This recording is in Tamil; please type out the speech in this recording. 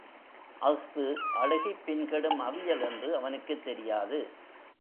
அஃது அழுகிப் பின் கெடும் அவியல் என்று அவனுக்குத் தெரியாது.